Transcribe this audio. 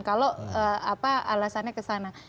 kalau apa alasannya kesana